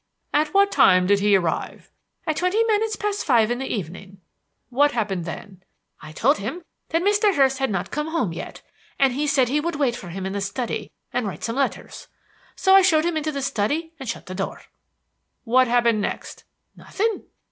"At what time did he arrive?" "At twenty minutes past five in the evening." "What happened then?" "I told him that Mr. Hurst had not come home yet, and he said he would wait for him in the study and write some letters; so I showed him into the study and shut the door." "What happened next?" "Nothing.